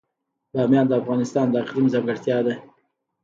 بامیان د افغانستان د اقلیم ځانګړتیا ده.